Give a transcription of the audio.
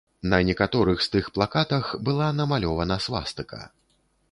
На некаторых з тых плакатах была намалёвана свастыка.